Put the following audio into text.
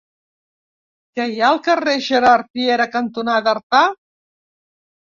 Què hi ha al carrer Gerard Piera cantonada Artà?